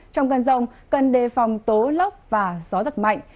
trong cơn rông cần đề phòng tố lốc và gió giật mạnh